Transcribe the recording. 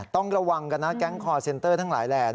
ต้องระวังกันนะแก๊งคอร์เซ็นเตอร์ทั้งหลายแหล่